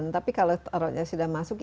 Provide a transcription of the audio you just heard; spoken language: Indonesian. tapi kalau sudah masuk